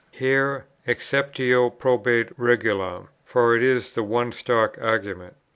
Here "exceptio probat regulam:" for it is the one stock argument.